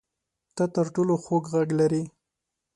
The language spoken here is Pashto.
ته تر ټولو خوږ غږ لرې